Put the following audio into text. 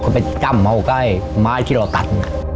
ก็ไปจ้ำเอาใกล้ไม้ที่เราตัด